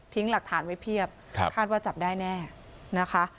หลักฐานไว้เพียบคาดว่าจับได้แน่นะคะ